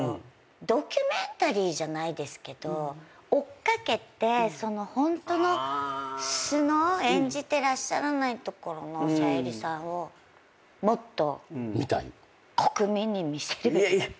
ドキュメンタリーじゃないですけど追っ掛けてホントの素の演じてないとこの小百合さんをもっと国民に見せるべきだと。